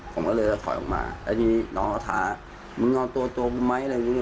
ผมก็เลยถอยออกมาแล้วทีนี้น้องก็ถามมึงนอนตัวมั้ยอะไรอย่างงี้